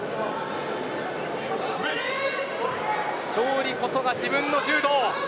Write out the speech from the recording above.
勝利こそが自分の柔道。